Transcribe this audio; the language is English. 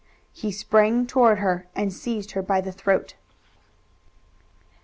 He sprang toward her and seized her by the throat.